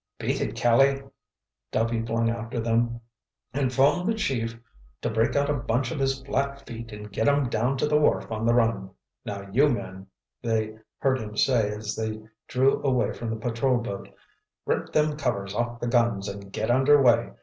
"Beat it, Kelly," Duffy flung after them, "and 'phone the chief to break out a bunch of his flat feet and get 'em down to the wharf on the run. Now you men," they heard him say as they drew away from the patrol boat, "rip them covers off the guns and git under way.